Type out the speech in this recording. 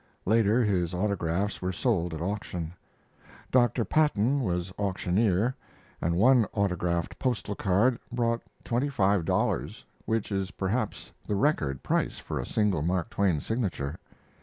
Later his autographs were sold at auction. Dr. Patton was auctioneer, and one autographed postal card brought twenty five dollars, which is perhaps the record price for a single Mark Twain signature.